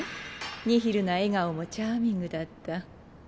ニヒルな笑顔もチャーミングだった。